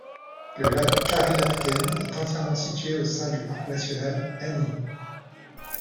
Le lac Carilafquén est entièrement situé au sein du Parc national Lanín.